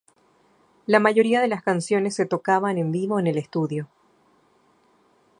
La mayoría de las canciones se tocaban en vivo en el estudio.